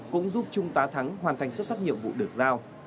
cũng giúp trung tá thắng hoàn thành xuất sắc nhiệm vụ được giao